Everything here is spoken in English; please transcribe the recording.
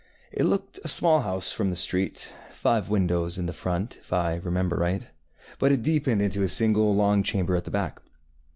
It looked a small house from the street, five windows in front, if I remember right, but it deepened into a single long chamber at the back.